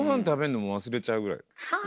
食べんのも忘れちゃうぐらい。